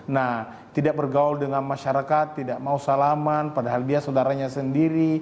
nah tidak bergaul dengan masyarakat tidak mau salaman padahal dia saudaranya sendiri